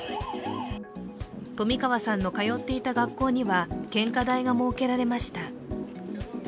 冨川さんの通っていた学校には献花台が設けられました。